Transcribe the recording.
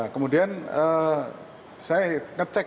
kemudian saya ngecek